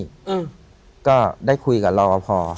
ฉันก็ได้คุยกับรอพอ